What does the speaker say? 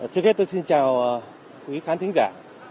trước hết tôi xin chào quý khán thính giả